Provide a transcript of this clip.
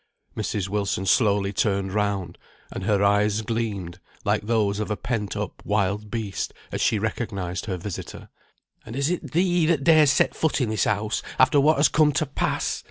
Mrs. Wilson slowly turned round, and her eyes gleamed like those of a pent up wild beast, as she recognised her visitor. "And is it thee that dares set foot in this house, after what has come to pass?